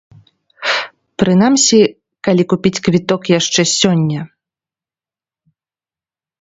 Прынамсі, калі купіць квіток яшчэ сёння.